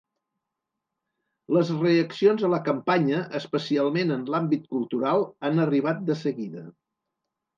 Les reaccions a la campanya, especialment en l’àmbit cultural, han arribat de seguida.